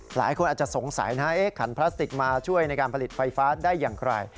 หลายคนอาจจะสงสัยนะขันพลาสติกมาช่วยในการผลิตไฟฟ้าได้อย่างไร